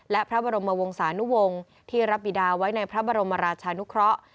และพระบรมวงศานุวงศ์ที่รับบิดาไว้ในพระบรมราชานุเคราะห์